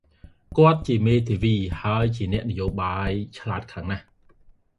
គាត់ជាមេធាវីហើយអ្នកនយោបាយឆ្លាតខ្លាំងណាស់។